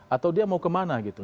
atau dia mau kemana gitu